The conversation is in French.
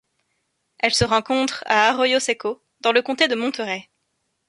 Elle se rencontre à Arroyo Seco dans le comté de Monterey.